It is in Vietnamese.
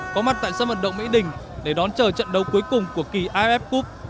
có mặt tại sân vận động mỹ đình để đón chờ trận đấu cuối cùng của kỳ iff cup